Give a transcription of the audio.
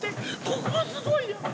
ここすごいやん。